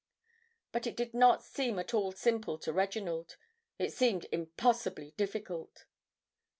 But it did not seem at all simple to Reginald. It seemed impossibly difficult.